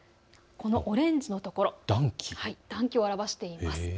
このオレンジのところ、暖気を表しています。